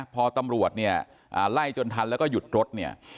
พอตำรวจเนี่ยไล่จนทันแล้วก็หยุดรถเนี่ย